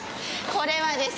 これはですね